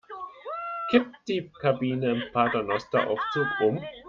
Kippt die Kabine im Paternosteraufzug um?